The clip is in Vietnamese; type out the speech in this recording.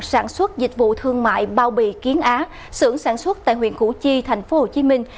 sản xuất dịch vụ thương mại bao bì kiến á sưởng sản xuất tại huyện củ chi thành phố hồ chí minh